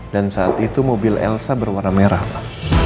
dan saat itu mobil elsa berwarna merah pak